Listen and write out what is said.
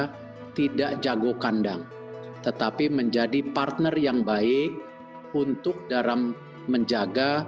kita tidak jago kandang tetapi menjadi partner yang baik untuk dalam menjaga